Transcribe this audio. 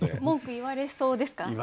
文句言われそうですか？